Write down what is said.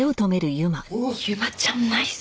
由真ちゃんナイス！